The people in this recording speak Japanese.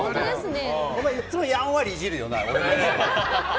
お前、いっつもやんわりいじるよな、俺の衣装。